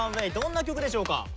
どんな曲でしょうか？